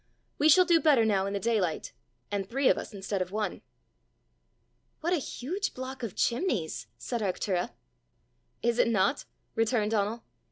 We shall do better now in the daylight and three of us instead of one!" "What a huge block of chimneys!" said Arctura. "Is it not!" returned Donal.